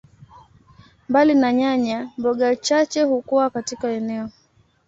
Mbali na nyanya, mboga chache hukua katika eneo.